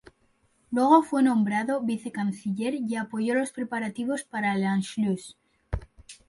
Luego fue nombrado vicecanciller y apoyó los preparativos para el "Anschluss".